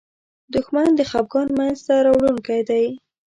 دښمن د خپګان مینځ ته راوړونکی دی